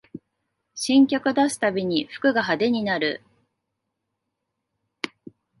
新曲出すたびに服が派手になる